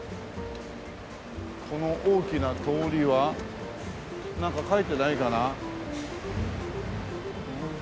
この大きな通りはなんか書いてないかな？